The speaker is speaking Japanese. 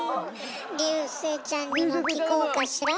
竜星ちゃんにも聞こうかしら。